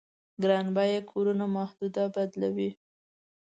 ګران بيه کورونو محدوده بدلوي.